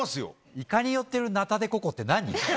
イカに寄ってるナタデココって何？